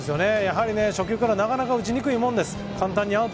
初球からなかなか打ちにくいもんです。